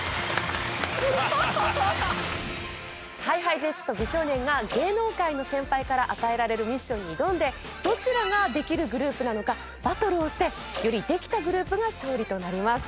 ＨｉＨｉＪｅｔｓと美少年が芸能界の先輩から与えられるミッションに挑んでどちらができるグループなのかバトルをしてよりできたグループが勝利となります。